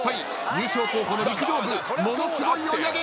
優勝候補の陸上部ものすごい追い上げ！